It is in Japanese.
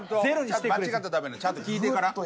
間違ったらダメなんでちゃんと聞いてから。